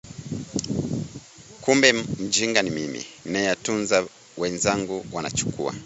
Kumbe mjinga ni mimi, ninayetunza wenzangu wanachukua